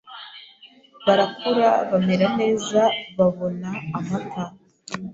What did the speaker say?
Barakura bamera neza, babona amata